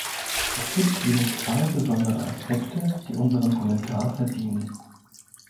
Es gibt jedoch zwei besondere Aspekte, die unseren Kommentar verdienen.